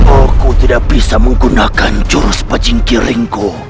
aku tidak bisa menggunakan jurus pecingkir rengku